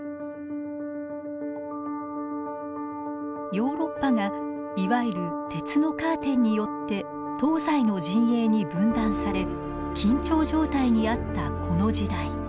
ヨーロッパがいわゆる鉄のカーテンによって東西の陣営に分断され緊張状態にあったこの時代。